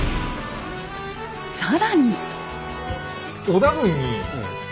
更に。